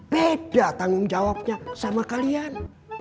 beda tanggung jawabnya sama kalian